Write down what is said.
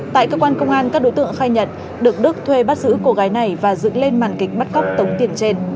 tại cơ quan công an các đối tượng khai nhận được đức thuê bắt giữ cô gái này và dựng lên màn kịch bắt cóc tống tiền trên